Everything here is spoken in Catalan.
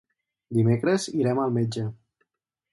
Dimecres irem al metge.